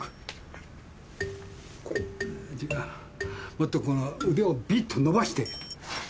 もっとこの腕をビッと伸ばして。